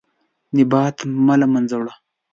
نبات مه له منځه وړه.